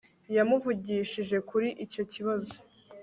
yamuvugishije kuri icyo kibazo